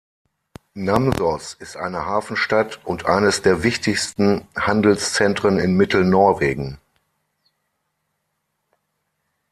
Namsos ist eine Hafenstadt und eines der wichtigsten Handelszentren in Mittelnorwegen.